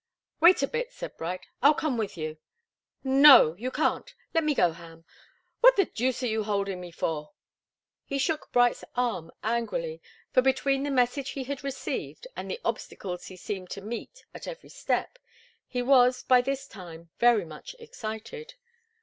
"Wait a bit," said Bright. "I'll come with you " "No you can't. Let me go, Ham! What the deuce are you holding me for?" He shook Bright's arm angrily, for between the message he had received and the obstacles he seemed to meet at every step, he was, by this time, very much excited.